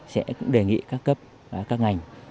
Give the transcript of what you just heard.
sẽ cũng đề nghị các cấp các ngành